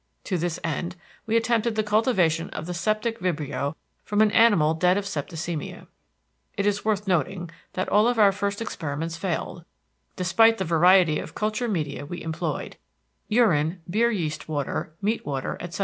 To this end, we attempted the cultivation of the septic vibrio from an animal dead of septicemia. It is worth noting that all of our first experiments failed, despite the variety of culture media we employed—urine, beer yeast water, meat water, etc.